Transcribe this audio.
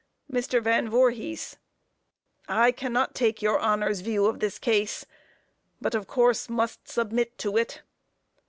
MR. VAN VOORHIS: I cannot take your Honor's view of the case, but of course must submit to it.